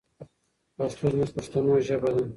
پښتو زموږ پښتنو ژبه ده.